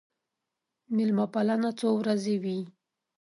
مېلمه پالنه څو ورځې وي.